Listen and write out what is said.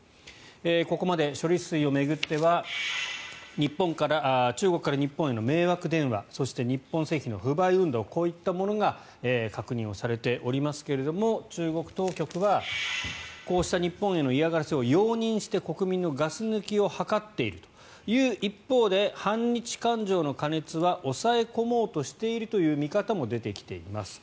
ここまで処理水を巡っては中国から日本への迷惑電話そして、日本製品の不買運動こういうものが確認されておりますが中国当局はこうした日本への嫌がらせを容認して国民のガス抜きを図っているという一方で反日感情の過熱は抑え込もうとしている見方も出てきています。